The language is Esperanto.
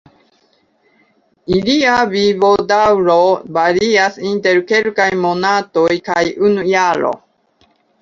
Ilia vivodaŭro varias inter kelkaj monatoj kaj unu jaro.